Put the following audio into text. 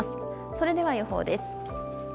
それでは予報です。